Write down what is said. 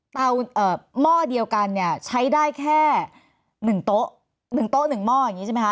หม้อเดียวกันเนี่ยใช้ได้แค่๑โต๊ะ๑โต๊ะ๑หม้ออย่างนี้ใช่ไหมคะ